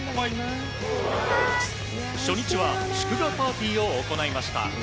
初日は祝賀パーティーを行いました。